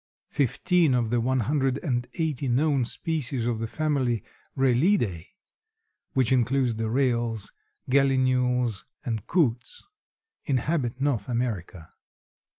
Fifteen of the one hundred and eighty known species of the family Rallidæ, which includes the rails, gallinules and coots, inhabit North America.